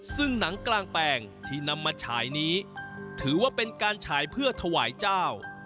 ซึ่งหนังกลางแปลงที่นำมาฉายนี้ถือว่าเป็นการฉายเพื่อถวายเจ้า